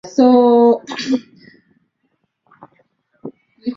i kuchoma taka na ujenzi Vyanzo vingine kama vile motoKwa idadi kubwa